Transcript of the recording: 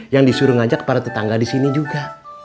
yang disuruh ngajak para tetangga di sini juga